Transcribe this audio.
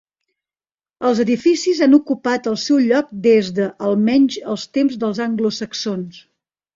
Els edificis han ocupat el seu lloc des de, almenys els temps dels anglosaxons.